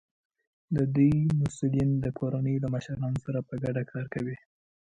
د دوی مسؤلین د کورنیو له مشرانو سره په ګډه کار کوي.